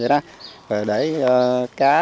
rồi để cá